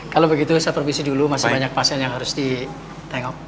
kalau begitu saya perbisi dulu masih banyak pasien yang harus ditengok